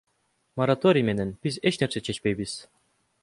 Мораторий менен биз эч нерсе чечпейбиз.